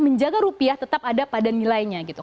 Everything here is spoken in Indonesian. menjaga rupiah tetap ada pada nilainya gitu